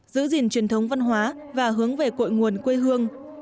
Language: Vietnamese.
giữ gìn truyền thống văn hóa và hướng về cội nguồn quê hương